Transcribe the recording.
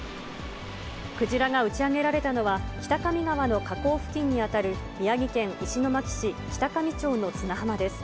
クジラが打ち上げられたのは、北上川の河口付近に当たる宮城県石巻市北上町の砂浜です。